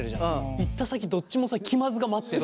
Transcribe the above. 行った先どっちもさ気まずが待ってる。